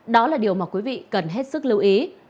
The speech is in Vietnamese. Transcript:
đó là điều mà quý vị cần hết sức lưu ý